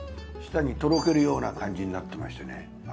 舌にとろけるような感じになってましてね